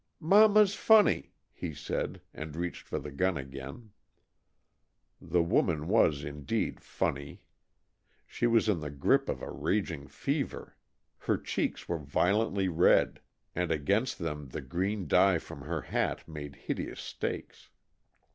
"Mama's funny," he said, and reached for the gun again. The woman was indeed "funny." She was in the grip of a raging fever. Her cheeks were violently red and against them the green dye from her hat made hideous streaks.